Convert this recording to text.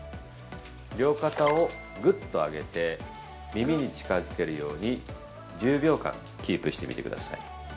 両肩をぐっと上げて耳に近づけるように１０秒間キープしてみてください。